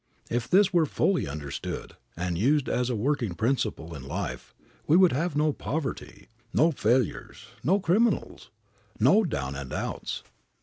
If this were fully understood, and used as a working principle in life, we would have no poverty, no failures, no criminals, no down and outs.